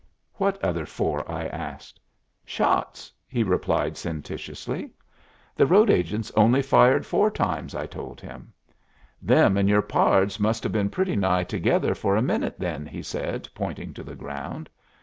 "What other four?" I asked. "Shots," he replied sententiously. "The road agents only fired four times," I told him. "Them and your pards must have been pretty nigh together for a minute, then," he said, pointing to the ground.